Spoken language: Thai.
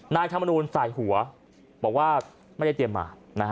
นายธรรมนูญนใส่หัวบอกว่าไม่ได้เตรียมมา